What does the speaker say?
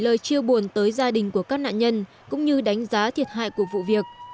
lời chia buồn tới gia đình của các nạn nhân cũng như đánh giá thiệt hại của vụ việc